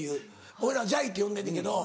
俺ら「ジャイ」って呼んでんねんけど。